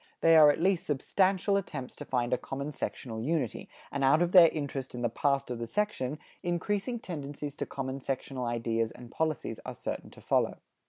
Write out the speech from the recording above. They are at least substantial attempts to find a common sectional unity, and out of their interest in the past of the section, increasing tendencies to common sectional ideas and policies are certain to follow.